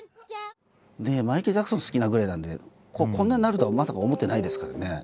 マイケル・ジャクソン好きなぐらいなんでこんなになるとはまさか思ってないですからね。